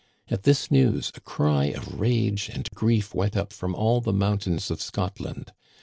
At this news a cry of rage and grief went up from all the mountains of Scotland.